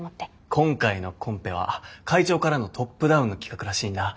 今回のコンペは会長からのトップダウンの企画らしいんだ。